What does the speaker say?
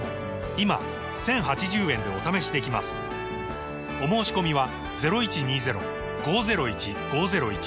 今 １，０８０ 円でお試しできますお申込みは